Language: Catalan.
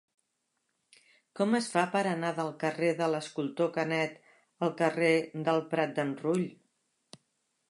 Com es fa per anar del carrer de l'Escultor Canet al carrer del Prat d'en Rull?